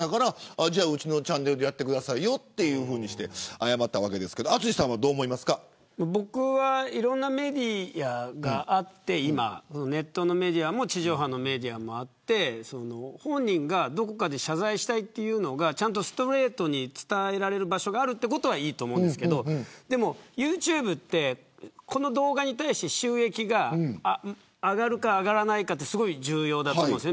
力を借りられないかというＤＭが来たからうちのチャンネルでやってくださいよというふうにして謝ったんですけどいろんなメディアがあってネットのメディアも地上波のメディアもあって本人が謝罪したいというのがストレートに伝えられる場所があることはいいと思うんですけどでも、ユーチューブってこの動画に対して収益が上がるか上がらないかってすごい重要だと思うんです。